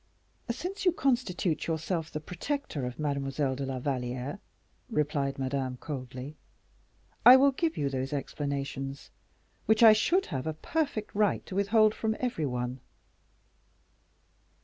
"Since you constitute yourself the protector of Mademoiselle de la Valliere," replied Madame, coldly, "I will give you those explanations which I should have a perfect right to withhold from every one."